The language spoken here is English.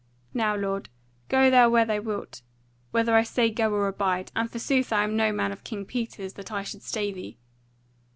Now, lord, go thou where thou wilt, whether I say go or abide; and forsooth I am no man of King Peter's, that I should stay thee.